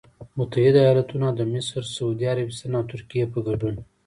متحدوایالتونو او د مصر، سعودي عربستان او ترکیې په ګډون